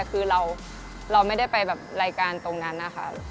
คือเราไม่ได้ไปแบบรายการตรงนั้นนะคะ